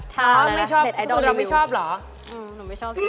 คุณจะไม่ชอบเหรอ